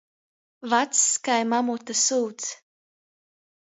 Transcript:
Vacs kai mamuta syuds.